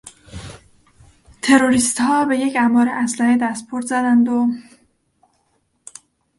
تروریستها به یک انبار اسلحه دستبرد زدند و...